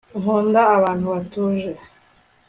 nkunda abantu batuje